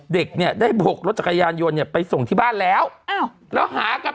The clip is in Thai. เด็กเนี่ยได้บกรถจักรยานยนต์เนี่ยไปส่งที่บ้านแล้วอ้าวแล้วแล้วหากัน